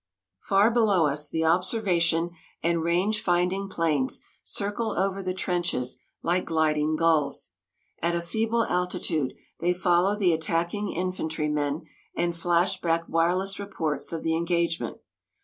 Far below us, the observation and range finding planes circle over the trenches like gliding gulls. At a feeble altitude they follow the attacking infantrymen and flash back wireless reports of the engagement.